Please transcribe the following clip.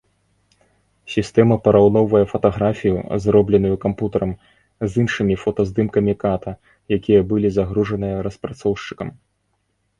Сістэма параўноўвае фатаграфію, зробленую кампутарам, з іншымі фотаздымкамі ката, якія былі загружаныя распрацоўшчыкам.